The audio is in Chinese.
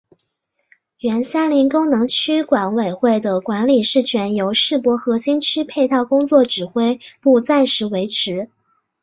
原三林功能区域管委会的管理事权由世博核心区配套工作指挥部暂时维持。